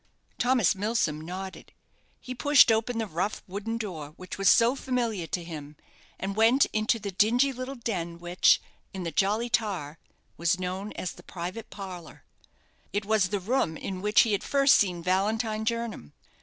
Thomas Milsom nodded. He pushed open the rough wooden door which was so familiar to him, and went into the dingy little den which, in the 'Jolly Tar', was known as the private parlour. It was the room in which he had first seen Valentine Jernam.